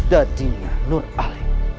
dadinya nur alif